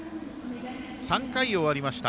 ３回終わりました。